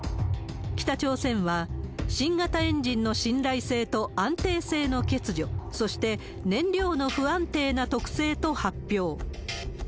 北朝鮮は、新型エンジンの信頼性と安定性の欠如、そして燃料の不安定な特性と発表。